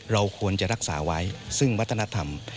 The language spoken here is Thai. เราควรจะรักษาไว้ซึ่งวัฒนธรรม